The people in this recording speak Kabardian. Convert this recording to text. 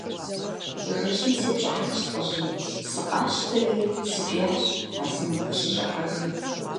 Жэщым сепщӀыхьащ лӀыжьым, сыкъащтэри сыкӀиящ, ар си нэгу къыщыщӀыхьэжым.